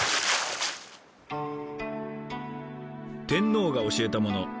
天皇が教えたもの